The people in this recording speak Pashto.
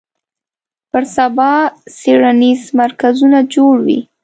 پر سبا څېړنیز مرکزونه جوړ وي